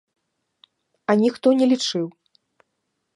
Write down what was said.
А ніхто не лічыў.